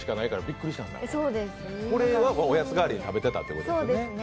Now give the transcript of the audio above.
これをおやつ代わりに食べてたってことですね。